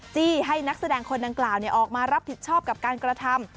จี้ให้นักแสดงคนดังกล่าวออกมารับผิดชอบกับการกระทำ